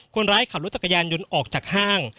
คนร้ายขับรถจักรยานยนต์ออกจากห้าง